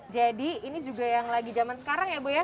ini juga yang lagi zaman sekarang ya bu ya